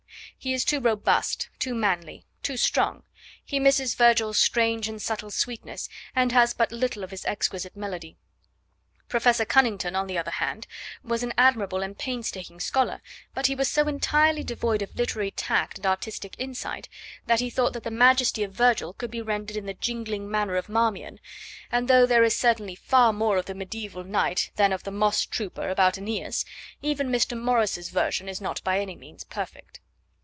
He is too robust, too manly, too strong. He misses Virgil's strange and subtle sweetness and has but little of his exquisite melody. Professor Conington, on the other hand, was an admirable and painstaking scholar, but he was so entirely devoid of literary tact and artistic insight that he thought that the majesty of Virgil could be rendered in the jingling manner of Marmion, and though there is certainly far more of the mediaeval knight than of the moss trooper about AEneas, even Mr. Morris's version is not by any means perfect.